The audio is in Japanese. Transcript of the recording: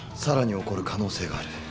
さらに起こる可能性がある。